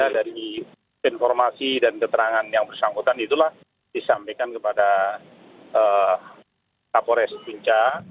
dari informasi dan keterangan yang bersangkutan itulah disampaikan kepada kapolres pincar